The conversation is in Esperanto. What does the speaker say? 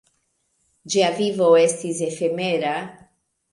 Ĝia vivo estis efemera.